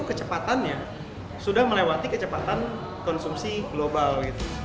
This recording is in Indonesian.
kecepatannya sudah melewati kecepatan konsumsi global